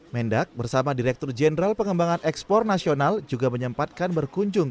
mendak bersama direktur jenderal pengembangan ekspor nasional juga menyempatkan berkunjung